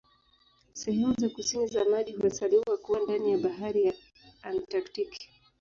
Sehemu za kusini za maji huhesabiwa kuwa ndani ya Bahari ya Antaktiki.